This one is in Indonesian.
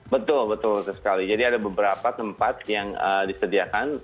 betul betul sekali jadi ada beberapa tempat yang disediakan